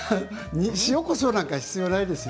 塩、こしょうなんか必要ないですよ。